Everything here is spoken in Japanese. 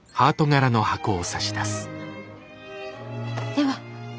では